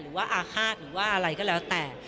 ว่าอาฆาตหรือว่าอะไรก็แล้วแต่